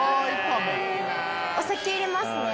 お酒入れますね。